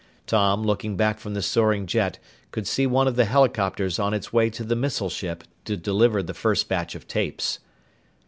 Tom, looking back from the soaring jet, could see one of the helicopters on its way to the missile ship to deliver the first batch of tapes.